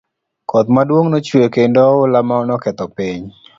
Koth maduong' nochwe kendo ohula noketho piny.